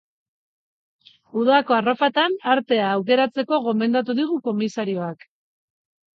Udako arropatan artea aukeratzeko gomendatu digu komisarioak.